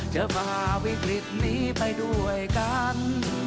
เจ้าฟ้าวิกฤตนี้ไปด้วยกัน